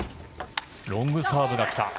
ロングサーブが来た。